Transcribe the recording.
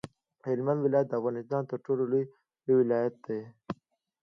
هلمند ولایت د افغانستان تر ټولو لوی ولایت دی.